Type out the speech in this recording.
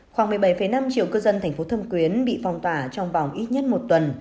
khoảng một mươi bảy năm triệu cư dân thành phố thâm quyến bị phong tỏa trong vòng ít nhất một tuần